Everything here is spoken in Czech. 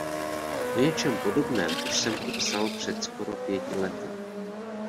O něčem podobném už jsem tu psal před skoro pěti lety.